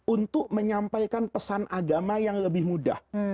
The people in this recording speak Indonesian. untuk menyampaikan pesan agama yang lebih mudah